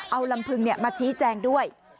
เอาลำพึงมาชี้แจงด้วย